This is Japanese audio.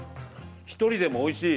１人でもおいしい。